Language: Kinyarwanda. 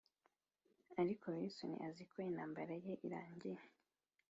ariko wilson azi ko intambara ye irangiye